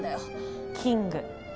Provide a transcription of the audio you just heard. キング。